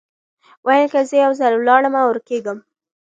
ویل زه که یو ځل ولاړمه ورکېږم